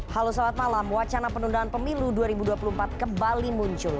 halo selamat malam wacana penundaan pemilu dua ribu dua puluh empat kembali muncul